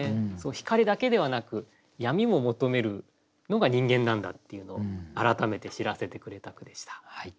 光だけではなく闇も求めるのが人間なんだっていうのを改めて知らせてくれた句でした。